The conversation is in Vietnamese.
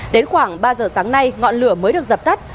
đến khoảng ba giờ sáng nay ngọn lửa mới được dập tắt